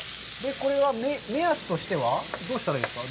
これは目安としては、どうしたらいいですか。